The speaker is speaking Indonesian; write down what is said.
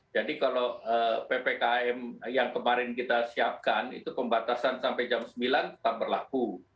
jadi kalau ppkm yang kemarin kita siapkan itu pembatasan sampai jam sembilan tetap berlaku